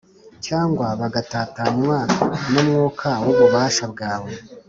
cyangwa bagatatanywa n’umwuka w’ububasha bwawe.